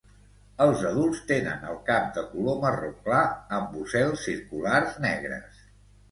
Els adults tenen el cap de color marró clar amb ocels circulars negres.